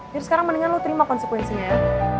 jadi sekarang mendingan lo terima konsekuensinya ya